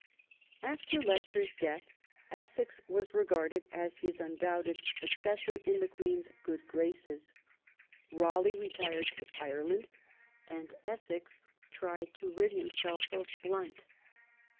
After Leicester's death Essex was regarded as his undoubted successor in the Queen's good graces. Raleigh retired to Ireland, and Essex tried to rid himself of Blount.